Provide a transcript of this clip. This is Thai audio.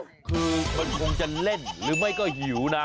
คือมันคงจะเล่นหรือไม่ก็หิวนะ